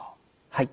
はい。